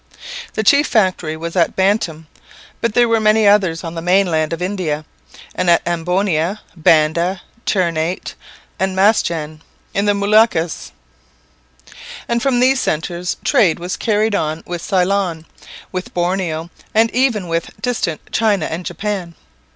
The chief factory was at Bantam, but there were many others on the mainland of India, and at Amboina, Banda, Ternate and Matsjan in the Moluccas; and from these centres trade was carried on with Ceylon, with Borneo and even with distant China and Japan.